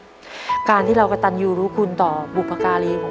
รู้ไหมลูกว่าหนูกำลังเรียนวิชาชีวิตที่หลายคนไม่ได้เรียนและไม่มีโอกาสได้ทำนะลูก